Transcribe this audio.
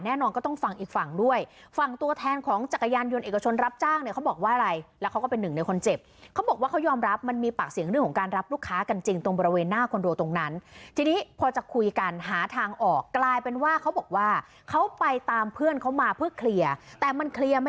แน่นอนก็ต้องฟังอีกฝั่งด้วยฝั่งตัวแทนของจักรยานยนต์เอกชนรับจ้างเนี่ยเขาบอกว่าอะไรแล้วเขาก็เป็นหนึ่งในคนเจ็บเขาบอกว่าเขายอมรับมันมีปากเสียงเรื่องของการรับลูกค้ากันจริงตรงบริเวณหน้าคอนโดตรงนั้นทีนี้พอจะคุยกันหาทางออกกลายเป็นว่าเขาบอกว่าเขาไปตามเพื่อนเขามาเพื่อเคลียร์แต่มันเคลียร์ไม่